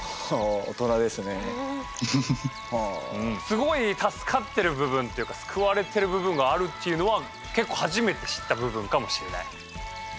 すごい助かってる部分っていうか救われてる部分があるっていうのは結構はじめて知った部分かもしれない。